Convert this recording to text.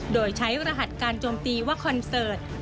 โดยใช้รหัสการโจมตีว่าคอนเสิร์ต